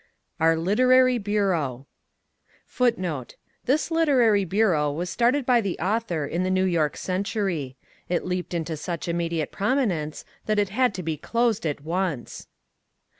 Our Literary Bureau [Footnote: This literary bureau was started by the author in the New York Century. It leaped into such immediate prominence that it had to be closed at once.